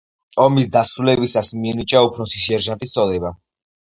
ომის დასრულებისას მიენიჭა უფროსი სერჟანტის წოდება.